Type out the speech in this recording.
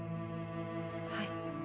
はい。